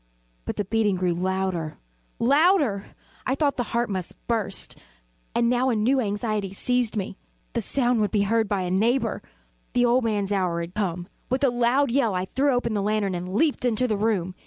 But the beating grew louder, louder! I thought the heart must burst. And now a new anxiety seized me the sound would be heard by a neighbour! The old man's hour had come! With a loud yell, I threw open the lantern and leaped into the room.